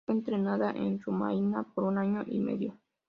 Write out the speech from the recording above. Fue entrenada en Rumania por un año y medio.